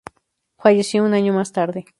Falleció un año más tarde.